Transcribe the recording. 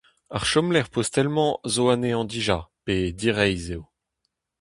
Ar chomlec'h postel-mañ zo anezhañ dija, pe direizh eo.